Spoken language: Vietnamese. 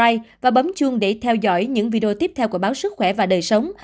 hãy like subscribe và bấm chuông để theo dõi những video tiếp theo của báo sức khỏe và đời sống